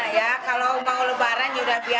iya kalau mau lebaran udah biasa